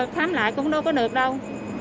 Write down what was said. khám lại cũng đâu có được đâu